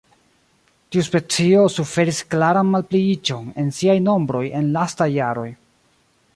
Tiu specio suferis klaran malpliiĝon en siaj nombroj en lastaj jaroj.